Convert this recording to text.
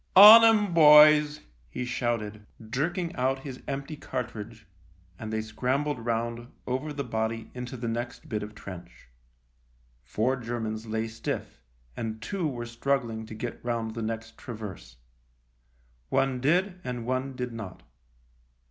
" On 'em, boys !" he shouted, jerking out his empty cartridge, and they scrambled round, over the body, into the next bit of trench. Four Germans lay stiff, and two were struggling to get round the next traverse. One did and one did not.